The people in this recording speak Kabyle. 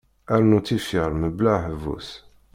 Rnu tifyar mebla aḥebbus.